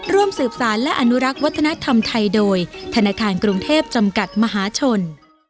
ร่วมสืบสารและอนุรักษ์วัฒนธรรมไทยโดยธนาคารกรุงเทพจำกัดมหาชน